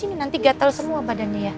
nanti gatel semua badannya ya